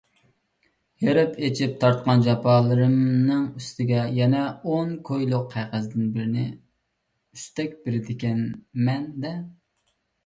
ھېرىپ - ئېچىپ تارتقان جاپالىرىمنىڭ ئۈستىگە يەنە ئون كويلۇق قەغەزدىن بىرنى ئۈستەك بېرىدىكەنمەن - دە؟!